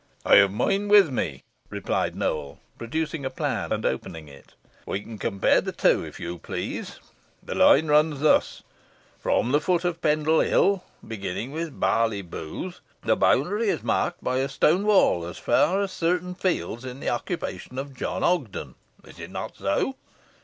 "I have mine with me," replied Nowell, producing a plan, and opening it. "We can compare the two, if you please. The line runs thus: From the foot of Pendle Hill, beginning with Barley Booth, the boundary is marked by a stone wall, as far as certain fields in the occupation of John Ogden. Is it not so?"